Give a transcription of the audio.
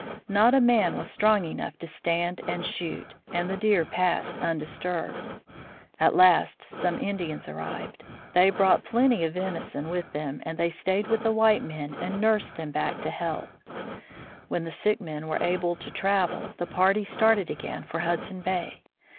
Not a man was strong enough to stand and shoot, and the deer passed undisturbed. At last some Indians arrived. They brought plenty of venison with them, and they stayed with the white men and nursed them back to health. 20 THE FROZEN NORTH When the sick men were able to travel, the party started again for Hudson bay.